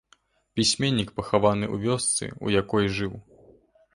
Пісьменнік пахаваны ў вёсцы, у якой жыў.